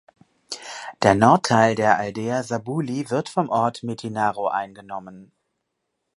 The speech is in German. Der Nordteil der Aldeia Sabuli wird vom Ort Metinaro eingenommen.